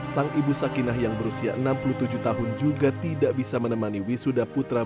sang ibu sakinah yang berusia enam puluh tujuh tahun juga tidak bisa menemani wisuda putra